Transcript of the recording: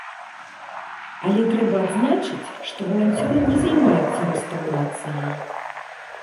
Але трэба адзначыць, што валанцёры не займаюцца рэстаўрацыяй.